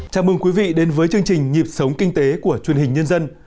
chào mừng quý vị đến với chương trình nhịp sống kinh tế của truyền hình nhân dân